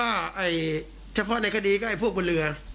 คนโดนแจ้งเข้าหาเพิ่มก็เฉพาะในคดีก็พวกบนเรือ